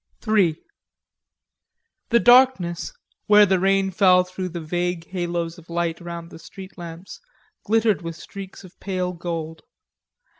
III The darkness, where the rain fell through the vague halos of light round the street lamps, glittered with streaks of pale gold.